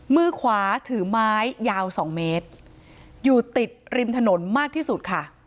มือขวาถือไม้ยาวสองเมตรอยู่ติดริมถนนมากที่สุดค่ะ